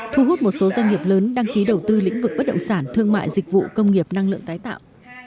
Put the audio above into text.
thu hút một số doanh nghiệp lớn đăng ký đầu tư lĩnh vực bất động sản thương mại dịch vụ công nghiệp năng lượng tái tạo